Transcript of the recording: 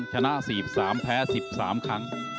ชนะ๔๓แพ้๑๓ครั้ง